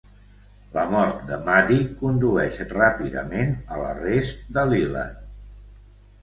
La mort de Maddy condueix ràpidament a l'arrest de Leland.